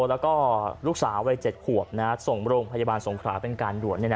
แล้วก็ลูกสาววัย๗ขวบส่งโรงพยาบาลสงขราเป็นการด่วน